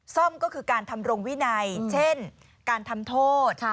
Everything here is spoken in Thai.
ซ่อมก็คือการทำรงวินัยเช่นการทำโทษ